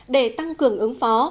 để tăng cường ứng phó